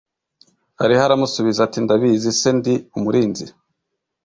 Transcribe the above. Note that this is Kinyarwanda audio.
ari he Aramusubiza ati Ndabizi se Ndi umurinzi